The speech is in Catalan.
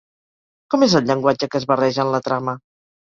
Com és el llenguatge que es barreja en la trama?